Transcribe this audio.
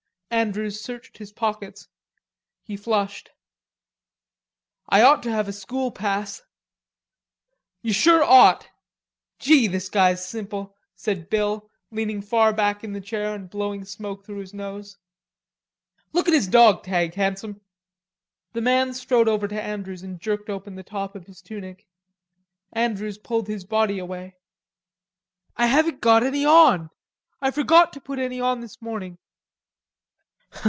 Andrews searched his pockets. He flushed. "I ought to have a school pass." "You sure ought. Gee, this guy's simple," said Bill, leaning far back in the chair and blowing smoke through his nose. "Look at his dawg tag, Handsome." The man strode over to Andrews and jerked open the top of his tunic. Andrews pulled his body away. "I haven't got any on. I forgot to put any on this morning."